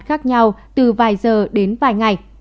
khác nhau từ vài giờ đến vài ngày